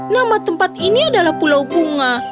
nama tempat ini adalah pulau bunga